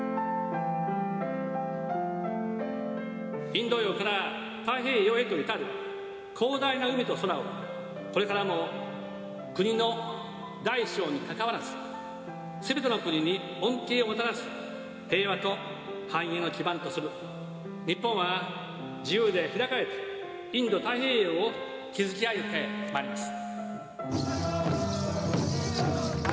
インド洋から太平洋へといたる広大な海と空をこれからも国の大小に関わらず全ての国に恩恵をもたらす平和と繁栄を基盤とする日本は自由で開かれたインド太平洋を築き上げてまいります。